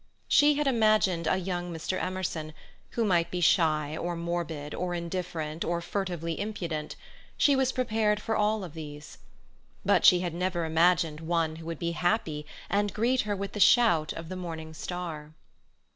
She had imagined a young Mr. Emerson, who might be shy or morbid or indifferent or furtively impudent. She was prepared for all of these. But she had never imagined one who would be happy and greet her with the shout of the morning star.